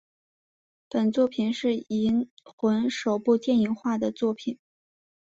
本作品是银魂首部电影化的作品。